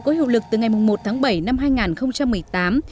đối hợp lực từ ngày một tháng bảy năm hai nghìn một mươi tám